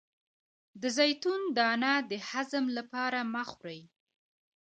د زیتون دانه د هضم لپاره مه خورئ